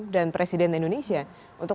dan presiden indonesia untuk